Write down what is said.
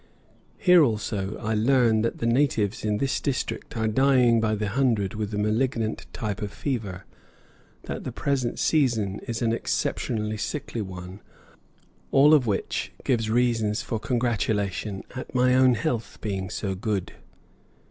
Here, also, I learn that the natives in this district are dying by the hundred with a malignant type of fever; that the present season is an exceptionally sickly one, all of which gives reason for congratulation at my own health being so good.